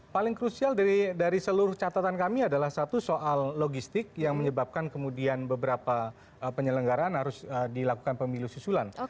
paling krusial dari seluruh catatan kami adalah satu soal logistik yang menyebabkan kemudian beberapa penyelenggaran harus dilakukan pemilu susulan